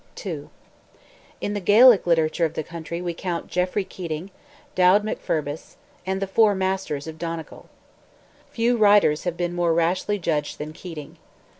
II. In the Gaelic literature of the country we count Geoffrey Keating, Duald McFirbis, and "the Four Masters" of Donegal. Few writers have been more rashly judged than Keating.